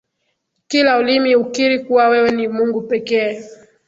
Kila ulimi ukiri kuwa wewe ni Mungu pekee.